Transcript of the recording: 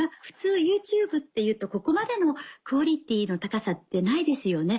今普通ＹｏｕＴｕｂｅっていうとここまでのクオリティーの高さってないですよね。